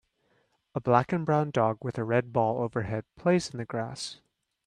A black and brown dog with a red ball overhead plays in the grass.